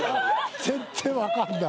全然分かんない。